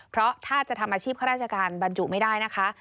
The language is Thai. เพราะถ้าจะทำอาชีพข้าราชการบรรจุไม่ได้นะคะ